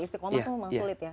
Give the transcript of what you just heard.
istiqomah itu memang sulit ya